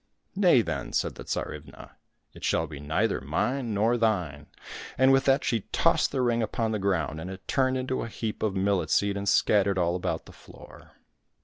—" Nay, then, " said the Tsarivna, " it shall be neither mine nor thine," and with that she tossed the ring upon the ground, and it turned into a heap of millet seed and scattered all about the floor.